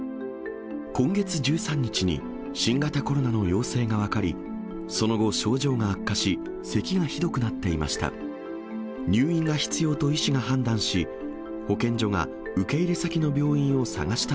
今月１３日に新型コロナの陽性が分かり、その後、症状が悪化し、せきがひどくなっていました。